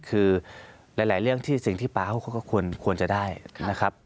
คือหลายเรื่องที่สิ่งที่ป๊าเขาก็ควรจะได้นะครับ